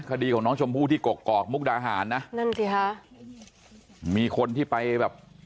คดีของน้องชมพู่ที่กกอกมุกดาหารนะนั่นสิค่ะมีคนที่ไปแบบ